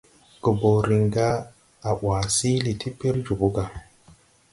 Goboo riŋ ga a ʼwaa siili ti pir jòbō ga.